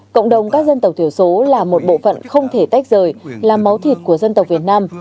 cộng đồng các dân tộc thiểu số là một bộ phận không thể tách rời là máu thịt của dân tộc việt nam